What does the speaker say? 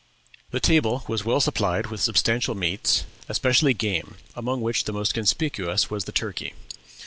"The table was well supplied with substantial meats, especially game, among which the most conspicuous was the turkey.